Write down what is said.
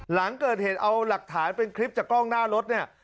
หลังเกิดเหตุเอาหลักฐานเป็นคลิปจากกล้องหน้ารถเนี่ย